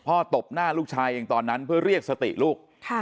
ตบหน้าลูกชายเองตอนนั้นเพื่อเรียกสติลูก